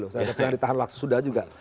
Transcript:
saya tidak ditahan laksa sudah juga